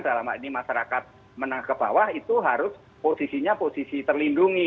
dalam maksudnya masyarakat menang ke bawah itu harus posisinya terlindungi